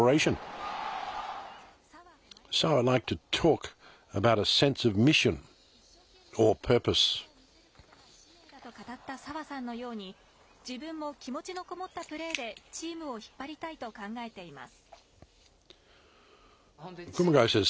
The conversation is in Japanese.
一生懸命戦う姿を見せることが使命だと語った澤さんのように、自分も気持ちの込もったプレーでチームを引っ張りたいと考えています。